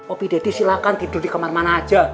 opie deddy silahkan tidur di kemar mana aja